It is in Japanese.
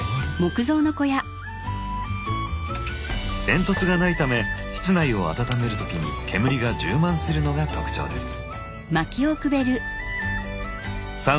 煙突がないため室内を暖める時に煙が充満するのが特徴です。